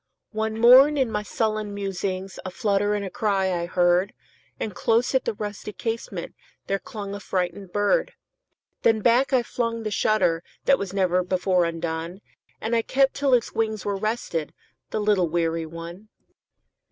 One morn, in my sullen musings,A flutter and cry I heard; And close at the rusty casementThere clung a frightened bird. Then back I flung the shutterThat was never before undone, And I kept till its wings were restedThe little weary one.